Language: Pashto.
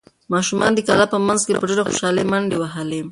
ماشومانو د کلا په منځ کې په ډېرې خوشحالۍ منډې وهلې.